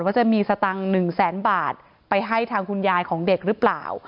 ว่าจะมีสตังค์หนึ่งแสนบาทไปให้ทางคุณยายของเด็กหรือเปล่า